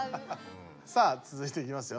さあつづいていきますよ。